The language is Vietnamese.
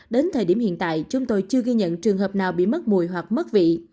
đến thời điểm hiện tại chúng tôi chưa ghi nhận trường hợp nào bị mất mùi hoặc mất vị